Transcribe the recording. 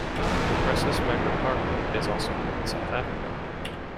"Cupressus macrocarpa" is also grown in South Africa.